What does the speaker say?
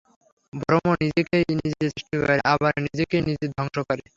ভ্রম নিজেকেই নিজে সৃষ্টি করে, আবার নিজেকেই নিজে ধ্বংস করে।